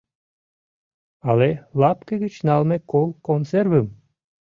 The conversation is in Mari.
Але лапке гыч налме кол консервым?